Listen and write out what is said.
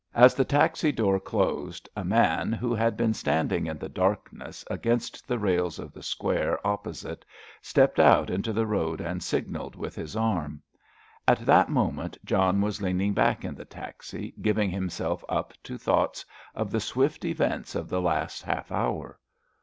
As the taxi door closed, a man, who had been standing in the darkness against the rails of the square opposite stepped out into the road and signalled with his arm. At that moment John was leaning back in the taxi, giving himself up to thoughts of the swift events of the last half hour.